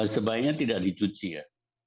sebaiknya tidak dicuci ya